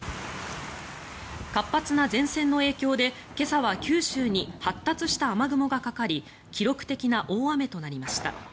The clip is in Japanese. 活発な前線の影響で今朝は九州に発達した雨雲がかかり記録的な大雨となりました。